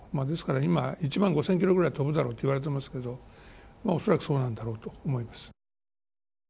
ですから今、１万５０００ｋｍぐらい飛ぶだろうといわれていますが恐らくそうなんだろうと思います。